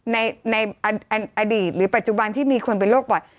ในอดีตหรือปัจจุบันที่มีคนเป็นโรคบ่อย